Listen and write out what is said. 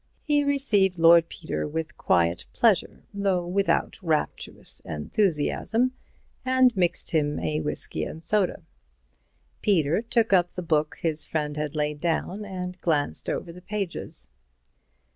He received Lord Peter with quiet pleasure, though without rapturous enthusiasm, and mixed him a whisky and soda. Peter took up the book his friend had laid down and glanced over the pages.